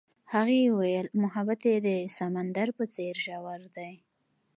هغې وویل محبت یې د سمندر په څېر ژور دی.